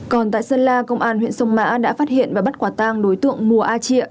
còn tại sơn la công an huyện sông mã đã phát hiện và bắt quả tang đối tượng mùa a triệu